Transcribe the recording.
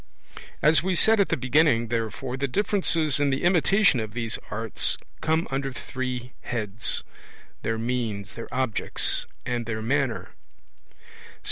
As we said at the beginning, therefore, the differences in the imitation of these arts come under three heads, their means, their objects, and their manner.